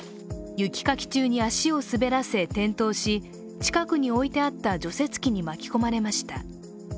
雪かき中に足を滑らせ転倒し近くに置いてあった除雪機に巻き込まれました